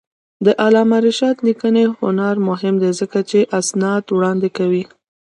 د علامه رشاد لیکنی هنر مهم دی ځکه چې اسناد وړاندې کوي.